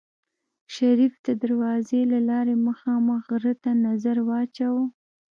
شريف د دروازې له لارې مخامخ غره ته نظر واچوه.